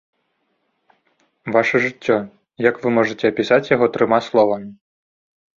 Ваша жыццё, як вы можаце апісаць яго трыма словамі?